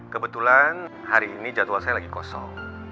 kebetulan hari ini jadwal saya lagi kosong